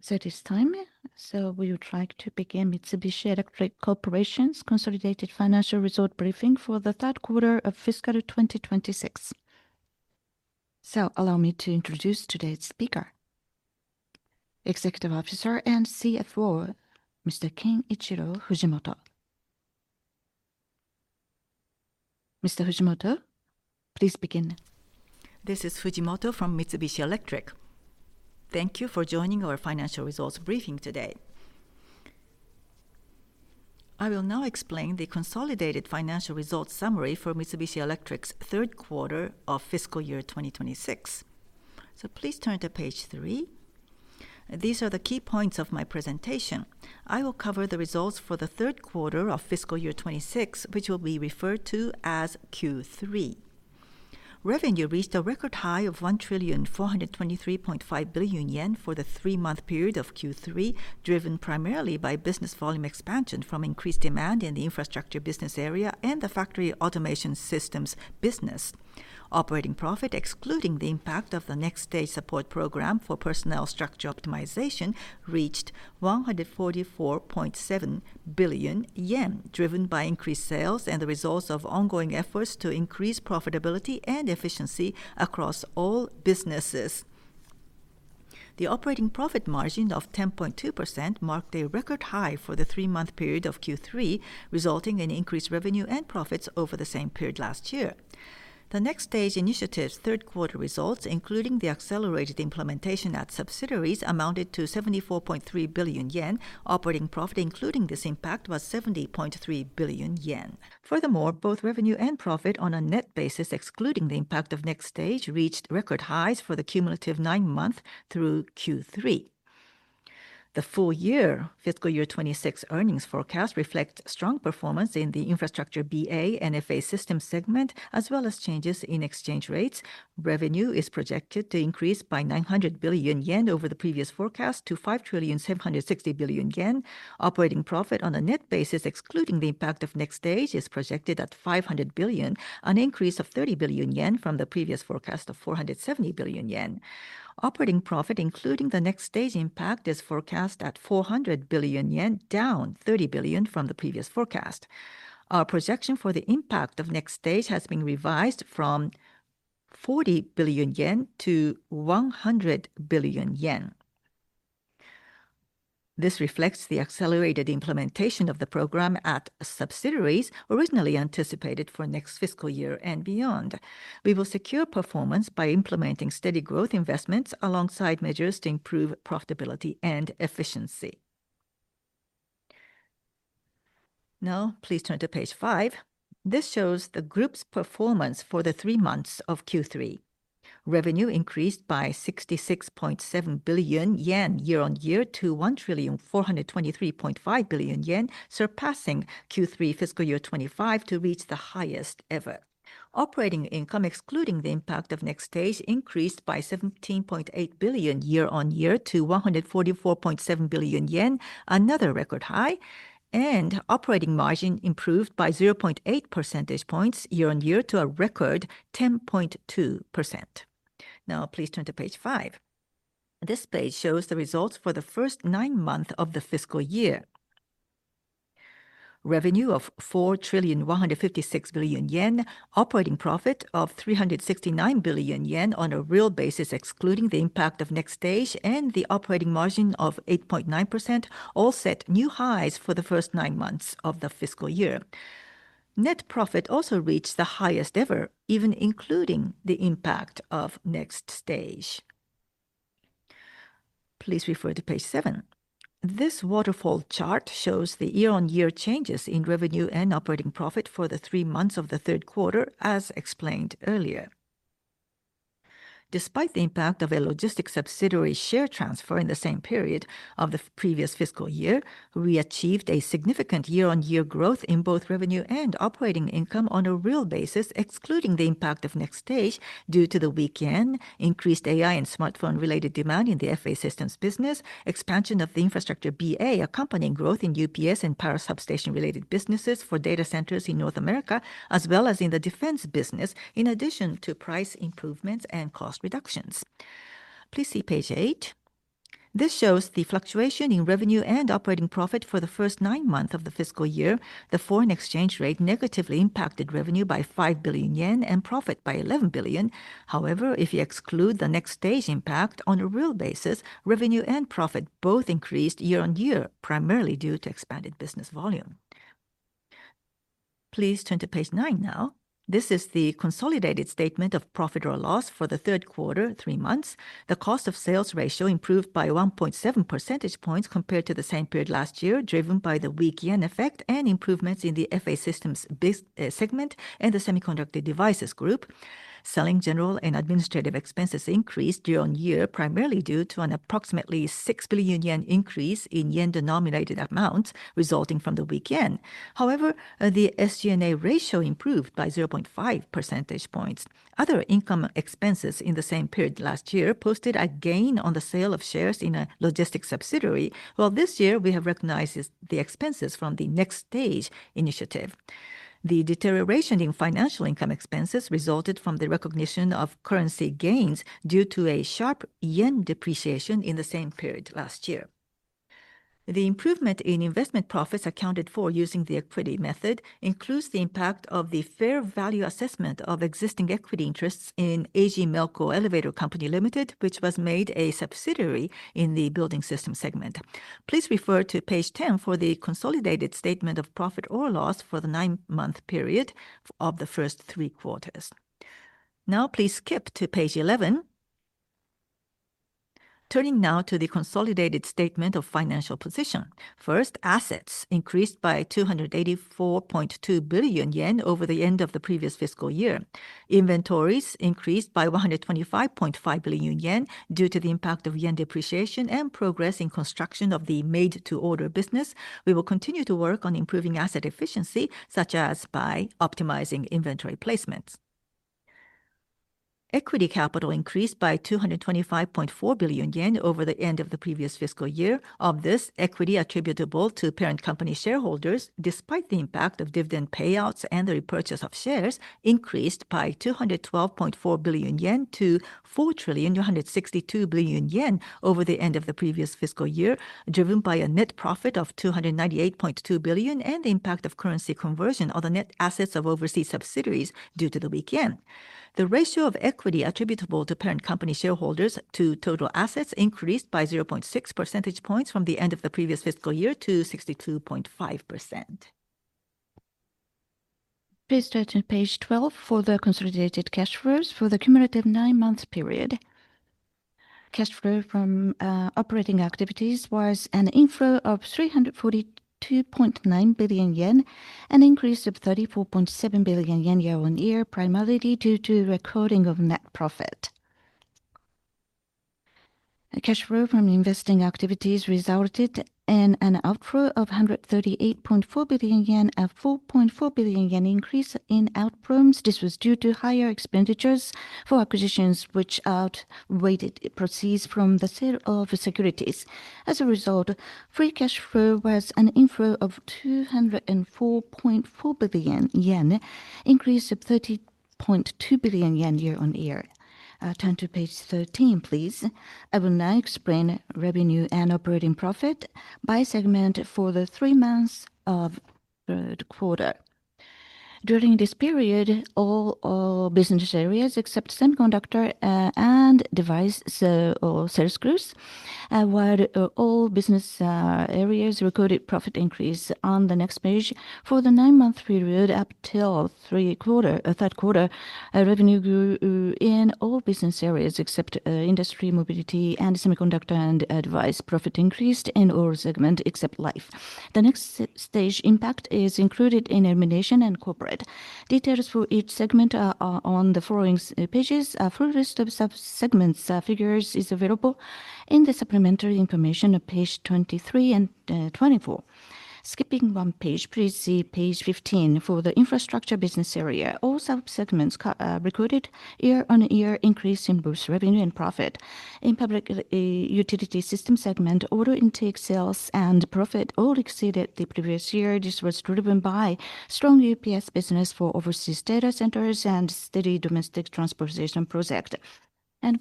So it is time, so we will try to begin Mitsubishi Electric Corporation's consolidated financial results briefing for the third quarter of fiscal year 2026. So allow me to introduce today's speaker, Executive Officer and CFO Mr. Kenichiro Fujimoto. Mr. Fujimoto, please begin. This is Fujimoto from Mitsubishi Electric. Thank you for joining our financial results briefing today. I will now explain the consolidated financial results summary for Mitsubishi Electric's third quarter of fiscal year 2026. Please turn to page three. These are the key points of my presentation. I will cover the results for the third quarter of fiscal year 2026, which will be referred to as Q3. Revenue reached a record high of 1,423.5 billion yen for the three-month period of Q3, driven primarily by business volume expansion from increased demand in the Infrastructure Business Area and the Factory Automation Systems business. Operating profit, excluding the impact of the Next-Stage Support Program for personnel structure optimization, reached 144.7 billion yen, driven by increased sales and the results of ongoing efforts to increase profitability and efficiency across all businesses. The operating profit margin of 10.2% marked a record high for the three-month period of Q3, resulting in increased revenue and profits over the same period last year. The Next-Stage initiative's third quarter results, including the accelerated implementation at subsidiaries, amounted to 74.3 billion yen. Operating profit, including this impact, was 70.3 billion yen. Furthermore, both revenue and profit on a net basis, excluding the impact of Next-Stage, reached record highs for the cumulative nine months through Q3. The full year, Fiscal Year 2026 earnings forecast reflects strong performance in the Infrastructure BA and FA Systems segment, as well as changes in exchange rates. Revenue is projected to increase by 900 billion yen over the previous forecast to 5,760 billion yen. Operating profit on a net basis, excluding the impact of Next-Stage, is projected at 500 billion, an increase of 30 billion yen from the previous forecast of 470 billion yen. Operating profit, including the Next-Stage impact, is forecast at 400 billion yen, down 30 billion from the previous forecast. Our projection for the impact of Next-Stage has been revised from 40 billion yen to 100 billion yen. This reflects the accelerated implementation of the program at subsidiaries, originally anticipated for next fiscal year and beyond. We will secure performance by implementing steady growth investments alongside measures to improve profitability and efficiency. Now please turn to page five. This shows the group's performance for the three months of Q3. Revenue increased by 66.7 billion yen year-on-year to 1,423.5 billion yen, surpassing Q3 fiscal year 2025 to reach the highest ever. Operating income, excluding the impact of Next-Stage, increased by 17.8 billion year-on-year to 144.7 billion yen, another record high, and operating margin improved by 0.8 percentage points year-on-year to a record 10.2%. Now please turn to page five. This page shows the results for the first nine months of the fiscal year. Revenue of 4,156 billion yen, operating profit of 369 billion yen on a real basis, excluding the impact of Next-Stage, and the operating margin of 8.9%, all set new highs for the first nine months of the fiscal year. Net profit also reached the highest ever, even including the impact of Next-Stage. Please refer to page seven. This waterfall chart shows the year-on-year changes in revenue and operating profit for the three months of the third quarter, as explained earlier. Despite the impact of a logistics subsidiary share transfer in the same period of the previous fiscal year, we achieved a significant year-on-year growth in both revenue and operating income on a real basis, excluding the impact of Next-Stage due to the weak yen, increased AI and smartphone-related demand in the FA Systems business, expansion of the infrastructure BA accompanying growth in UPS and power substation-related businesses for data centers in North America, as well as in the defense business, in addition to price improvements and cost reductions. Please see page eight. This shows the fluctuation in revenue and operating profit for the first nine months of the fiscal year. The foreign exchange rate negatively impacted revenue by 5 billion yen and profit by 11 billion. However, if you exclude the Next-Stage impact on a real basis, revenue and profit both increased year on year, primarily due to expanded business volume. Please turn to page nine now. This is the consolidated statement of profit or loss for the third quarter, three months. The cost of sales ratio improved by 1.7 percentage points compared to the same period last year, driven by the weak yen effect and improvements in the FA Systems segment and the semiconductor devices group. Selling general and administrative expenses increased year-on-year, primarily due to an approximately 6 billion yen increase in yen-denominated amounts resulting from the weak yen. However, the SG&A ratio improved by 0.5 percentage points. Other income expenses in the same period last year posted a gain on the sale of shares in a logistics subsidiary, while this year we have recognized the expenses from the Next-Stageinitiative. The deterioration in financial income expenses resulted from the recognition of currency gains due to a sharp yen depreciation in the same period last year. The improvement in investment profits accounted for using the equity method includes the impact of the fair value assessment of existing equity interests in AG MELCO Elevator Co. LLC., which was made a subsidiary in the Building Systems segment. Please refer to page 10 for the consolidated statement of profit or loss for the nine-month period of the first three quarters. Now please skip to page 11. Turning now to the consolidated statement of financial position. First, assets increased by 284.2 billion yen over the end of the previous fiscal year. Inventories increased by 125.5 billion yen due to the impact of yen depreciation and progress in construction of the made-to-order business. We will continue to work on improving asset efficiency, such as by optimizing inventory placements. Equity capital increased by 225.4 billion yen over the end of the previous fiscal year. Of this, equity attributable to parent company shareholders, despite the impact of dividend payouts and the repurchase of shares, increased by 212.4 billion yen to 4,162 billion yen over the end of the previous fiscal year, driven by a net profit of 298.2 billion and the impact of currency conversion on the net assets of overseas subsidiaries due to the weak yen. The ratio of equity attributable to parent company shareholders to total assets increased by 0.6 percentage points from the end of the previous fiscal year to 62.5%. Please turn to page 12 for the consolidated cash flows for the cumulative nine-month period. Cash flow from operating activities was an inflow of 342.9 billion yen, an increase of 34.7 billion yen year-on-year, primarily due to recording of net profit. Cash flow from investing activities resulted in an outflow of 138.4 billion yen, a 4.4 billion yen increase in outflows. This was due to higher expenditures for acquisitions, which outweighed proceeds from the sale of securities. As a result, free cash flow was an inflow of 204.4 billion yen, an increase of 30.2 billion yen year-on-year. Turn to page 13, please. I will now explain revenue and operating profit by segment for the three months of third quarter. During this period, all business areas except Semiconductor & Device saw growth, while all business areas recorded profit increase on the next page. For the nine-month period up till third quarter, revenue grew in all business areas except Industry & Mobility and Semiconductor & Device. Profit increased in all segments except Life. The Next-Stage impact is included in elimination and corporate. Details for each segment are on the following pages. A full list of subsegments figures is available in the supplementary information of page 23 and 24. Skipping one page, please see page 15 for the Infrastructure Business Area. All subsegments recorded year-on-year increased in both revenue and profit. In Public Utility Systems segment, order intake, sales, and profit all exceeded the previous year. This was driven by strong UPS business for overseas data centers and steady domestic transportation projects.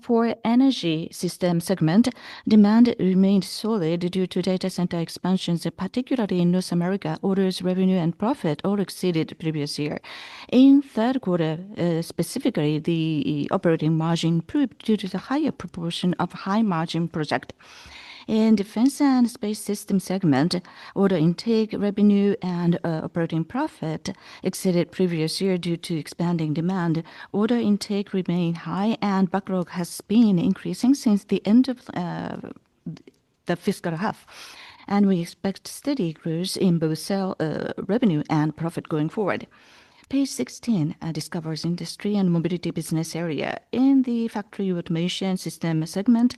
For Energy Systems segment, demand remained solid due to data center expansions, particularly in North America. Orders, revenue, and profit all exceeded previous year. In the third quarter, specifically, the operating margin improved due to the higher proportion of high margin projects. In the Defense and Space Systems segment, order intake, revenue, and operating profit exceeded previous year due to expanding demand. Order intake remained high, and backlog has been increasing since the end of the fiscal half. And we expect steady growth in both sales revenue and profit going forward. Page 16 discusses the Industry and Mobility Business Area. In the Factory Automation Systems segment,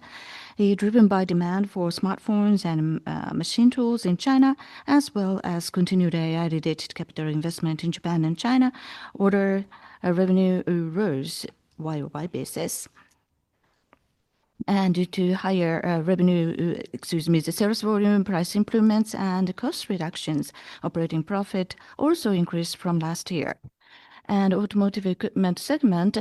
driven by demand for smartphones and machine tools in China, as well as continued AI-related capital investment in Japan and China, orders, revenue rose year-over-year. And due to higher revenue, excuse me, the sales volume, price improvements, and cost reductions, operating profit also increased from last year. Automotive Equipment segment,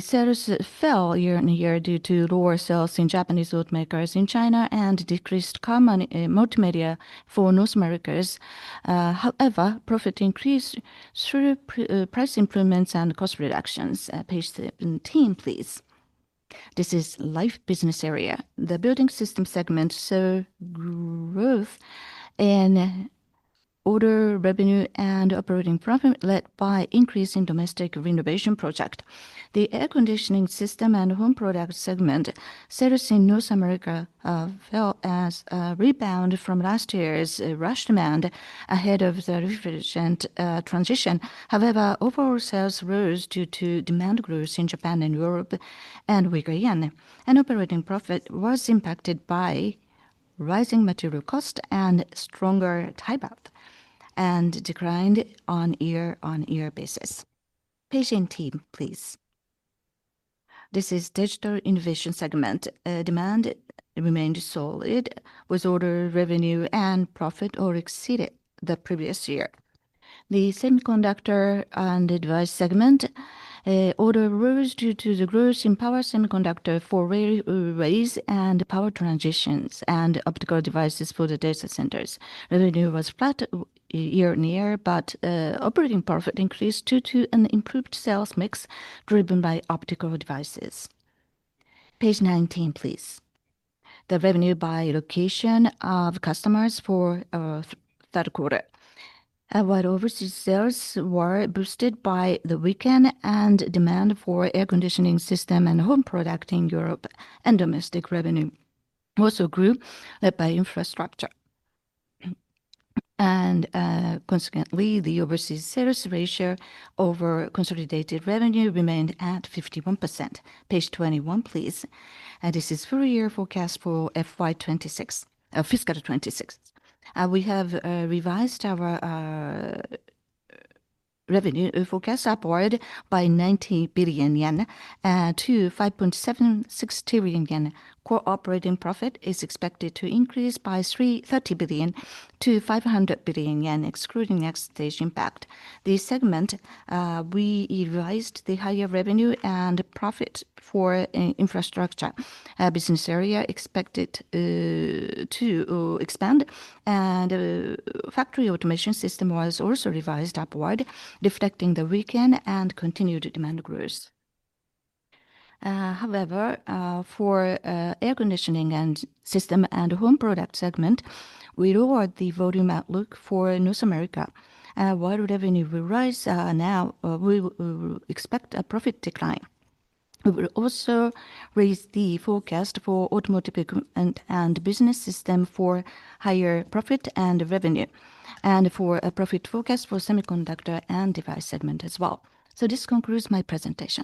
sales fell year-on-year due to lower sales to Japanese automakers in China and decreased car multimedia equipment for North America. However, profit increased through price improvements and cost reductions. Page 17, please. This is Life Business Area. The Building Systems segment saw growth in orders, revenue, and operating profit led by an increase in domestic renovation projects. The Air Conditioning Systems and Home Products segment, sales in North America fell as a rebound from last year's rush demand ahead of the refrigerant transition. However, overall sales rose due to demand growth in Japan and Europe and weaker yen. Operating profit was impacted by rising material costs and stronger yen and declined on a year-on-year basis. Page 18, please. This is Digital Innovation segment. Demand remained solid with orders, revenue, and profit all exceeding the previous year. The Semiconductor & Device segment, orders rose due to the growth in power semiconductors for railways and power transmission and optical devices for the data centers. Revenue was flat year-on-year, but operating profit increased due to an improved sales mix driven by optical devices. Page 19, please. The revenue by location of customers for the third quarter. While overseas sales were boosted by the weak yen and demand for air conditioning systems and home products in Europe and domestic revenue also grew led by infrastructure. And consequently, the overseas sales ratio over consolidated revenue remained at 51%. Page 21, please. This is full-year forecast for FY 2026, fiscal 2026. We have revised our revenue forecast upward by 90 billion yen to 5.76 trillion yen. Core operating profit is expected to increase by 30 billion to 500 billion yen, excluding Next-Stage impact. this segment, we revised the higher revenue and profit for Infrastructure Business Area expected to expand. Factory Automation Systems was also revised upward, reflecting the strong and continued demand growth. However, for Air Conditioning Systems and Home Products segment, we lowered the volume outlook for North America. While revenue will rise now, we expect a profit decline. We will also raise the forecast for Automotive Equipment and Building Systems for higher profit and revenue, and for a profit forecast for Semiconductor & Device segment as well. So this concludes my presentation.